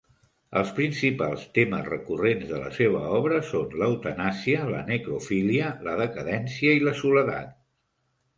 Els principals temes recurrents de la seva obra són l'eutanàsia, la necrofília, la decadència i la soledat.